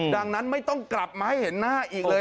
ดังนั้นไม่ต้องกลับมาให้เห็นหน้าอีกเลย